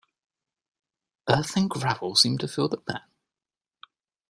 Earth and gravel seemed to fill the pan.